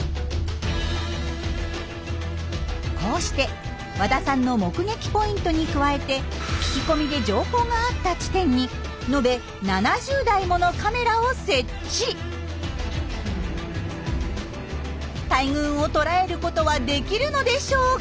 こうして和田さんの目撃ポイントに加えて聞き込みで情報があった地点に大群をとらえることはできるのでしょうか。